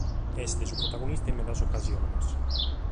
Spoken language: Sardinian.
Est su protagonista in medas ocasiones.